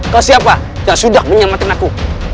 ke siapa yang sudah menyelamatkan aku